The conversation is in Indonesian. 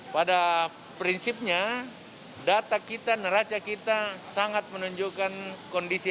pada prinsipnya data kita neraca kita sangat menunjukkan kondisi